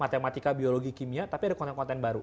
matematika biologi kimia tapi ada konten konten baru